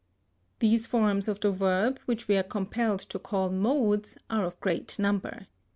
These forms of the verb, which we are compelled to call modes, are of great number.